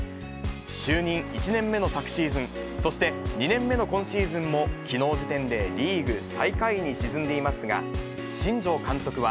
就任１年目の昨シーズン、そして２年目の今シーズンもきのう時点でリーグ最下位に沈んでいますが、新庄監督は。